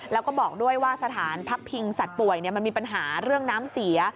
แล้วก็บอกด้วยว่าสถานพักพิงสัตว์ป่วยมันมีปัญหาเรื่องน้ำเสีย